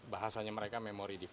bahasanya mereka memory defect